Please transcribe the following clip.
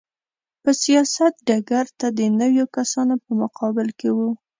په سیاست ډګر ته د نویو کسانو په مقابل کې و.